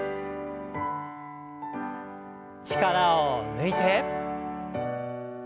力を抜いて。